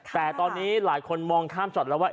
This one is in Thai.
แต่ตอนนี้หลายคนมองข้ามจอดแล้วว่า